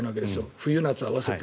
冬夏合わせて。